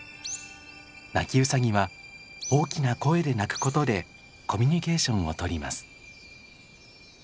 ナキウサギは大きな声で鳴くことでコミュニケーションをとります。